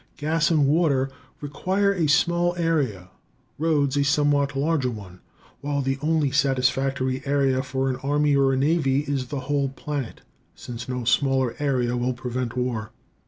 Gas and water require a small area, roads a somewhat larger one, while the only satisfactory area for an army or a navy is the whole planet, since no smaller area will prevent war.